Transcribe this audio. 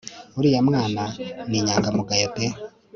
Uriya mwana ni inyangamugayo pe